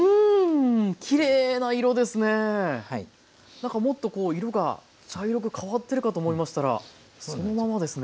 なんかもっとこう色が茶色く変わってるかと思いましたらそのままですね。